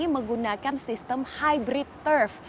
menggunakan sistem hybrid turf